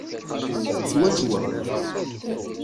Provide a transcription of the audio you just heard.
Swaswa.